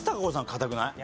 堅くない？